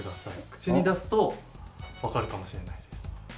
口に出すとわかるかもしれない。